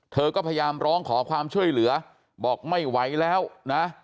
เธอก็พยายามร้องขอความช่วยเหลือบอกไม่ไหวแล้วนะ